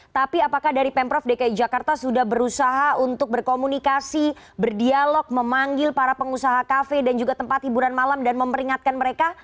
tapi apakah dari pemprov dki jakarta sudah berusaha untuk berkomunikasi berdialog memanggil para pengusaha kafe dan juga tempat hiburan malam dan memperingatkan mereka